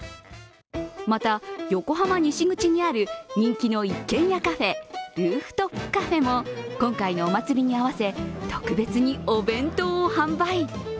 また、横浜西口にある人気の一軒家カフェルーフトップカフェも今回のお祭りに合わせ、特別にお弁当を販売。